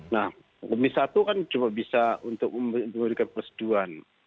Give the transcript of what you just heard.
nah komisi satu kan cuma bisa untuk memberikan persetujuan